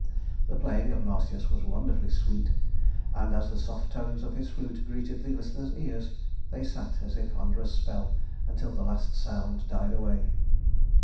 The playing of Marsyas was wonderfully sweet, and as the soft tones of his flute greeted the listeners' ears they sat as if under a spell until the last sounds died away.